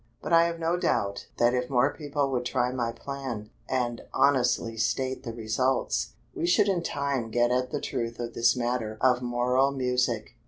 But I have no doubt that if more people would try my plan, and honestly state the results, we should in time get at the truth of this matter of moral music.